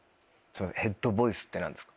ヘッドボイスって何ですか？